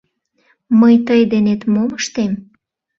Мый тый денет мом ыштем?